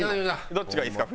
どっちがいいですか？